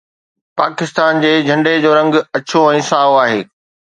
پاڪستان جي جهنڊي جو رنگ اڇو ۽ سائو آهي.